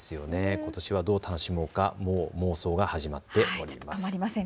ことしはどう楽しもうか妄想が始まっております。